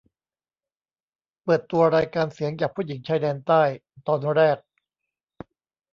เปิดตัวรายการเสียงจากผู้หญิงชายแดนใต้ ตอนแรก